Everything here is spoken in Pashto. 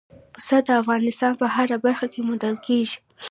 پسه د افغانستان په هره برخه کې موندل کېږي.